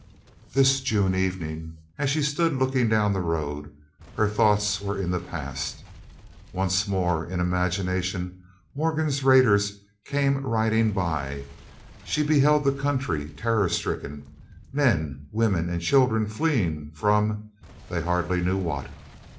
This June evening, as she stood looking down the road, her thoughts were in the past. Once more, in imagination, Morgan's raiders came riding by; she beheld the country terror stricken; men, women, and children fleeing from—they hardly knew what.